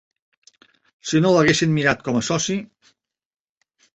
Si no l'haguessin mirat com a soci;